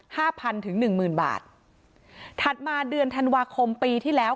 พันถึงหนึ่งหมื่นบาทถัดมาเดือนธันวาคมปีที่แล้ว